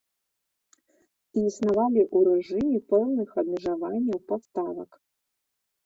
І існавалі ў рэжыме пэўных абмежаванняў паставак.